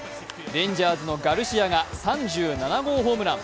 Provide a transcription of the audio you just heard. レンジャーズのガルシアが３７号ホームラン。